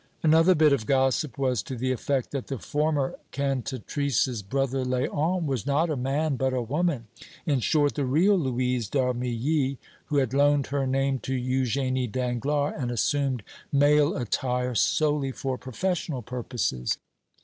Another bit of gossip was to the effect that the former cantatrice's brother Léon was not a man but a woman; in short, the real Louise d'Armilly, who had loaned her name to Eugénie Danglars and assumed male attire solely for professional purposes.